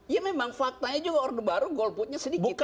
ya memang faktanya juga orde baru golputnya sedikit